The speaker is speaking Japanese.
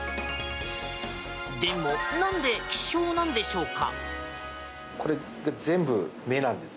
でも、なんで希少なのでしょうか。